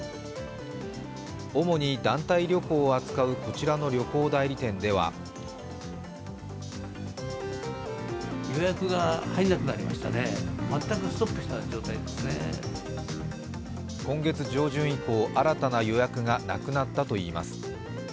主に団体旅行を扱う、こちらの旅行代理店では今月上旬以降、新たな予約がなくなったといいます。